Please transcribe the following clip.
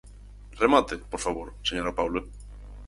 Remate, por favor, señora Paulo.